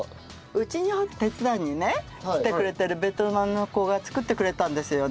うちによく手伝いに来てくれてるベトナムの子が作ってくれたんですよ